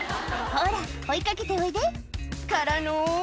「ほら追い掛けておいでからの？」